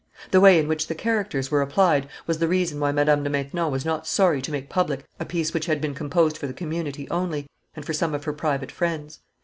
The way in which the characters were applied was the reason why Madame de Maintenon was not sorry to make public a piece which had been composed for the community only and for some of her private friends.